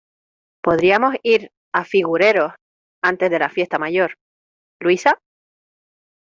Podríamos ir a Figureros antes de la fiesta mayor, ¿Luisa?